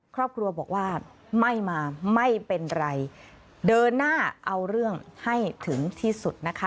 ครอบครัวบอกว่าไม่มาไม่เป็นไรเดินหน้าเอาเรื่องให้ถึงที่สุดนะคะ